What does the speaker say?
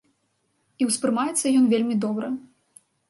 І ўспрымаецца ён вельмі добра.